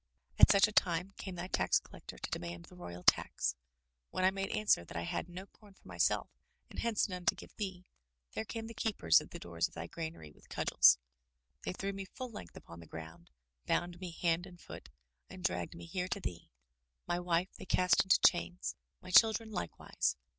At such a time came thy tax collector to demand the royal tax. When I made answer that I had no com for myself and hence none to give thee, there came the keepers of the doors of thy granary with cudgels. They threw me full length upon the ground, bound me hand and foot and dragged me here to thee. My wife they cast into chains — ^my children likewise.